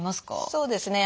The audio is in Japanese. そうですね。